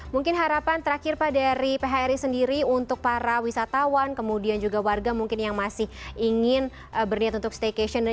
mungkin harapan terakhir pak dari phri sendiri untuk para wisatawan kemudian juga warga mungkin yang masih ingin berniat untuk staycation